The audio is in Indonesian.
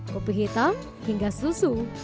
kopi hitam hingga susu